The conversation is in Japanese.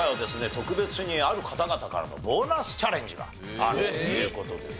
特別にある方々からのボーナスチャレンジがあるという事ですね。